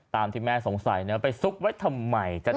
ตามที่แม่สงสัยนะไปซุกไว้ทำไม